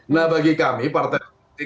nah bagi kami partai